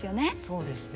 そうですね。